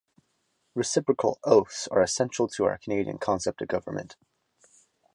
Reciprocal oaths are essential to our Canadian concept of government.